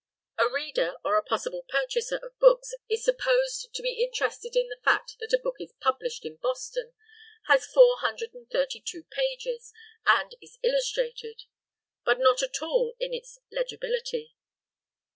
A reader or a possible purchaser of books is supposed to be interested in the fact that a book is published in Boston, has four hundred and thirty two pages, and is illustrated, but not at all in its legibility.